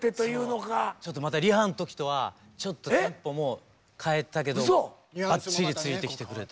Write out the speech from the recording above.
ちょっとまたリハの時とはちょっとテンポも変えたけどばっちりついてきてくれて。